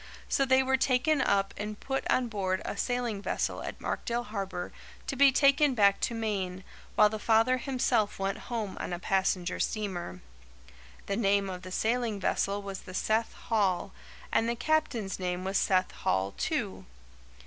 So they were taken up and put on board a sailing vessel at Markdale Harbour to be taken back to Maine, while the father himself went home on a passenger steamer. The name of the sailing vessel was the Seth Hall, and the captain's name was Seth Hall, too.